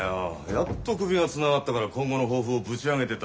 やっと首がつながったから今後の抱負をぶち上げてた最中だぞ？